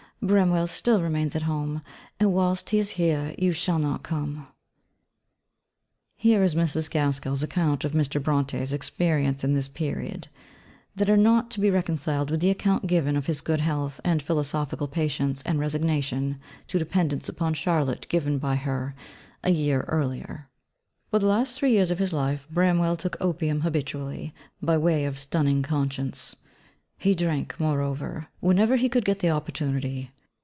Bramwell still remains at home, and whilst he is here, you shall not come.' Here is Mrs. Gaskell's account of Mr. Brontë's experiences in this period, that are not to be reconciled with the account given of his good health and philosophical patience and resignation to dependence upon Charlotte given by her a year earlier: For the last three years of his life, Bramwell took opium habitually, by way of stunning conscience: he drank, moreover, whenever he could get the opportunity....